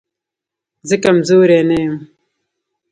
زه کمزوری نه يم